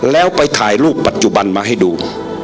แล้วไปถ่ายรูปปัจจุบันมาให้ดู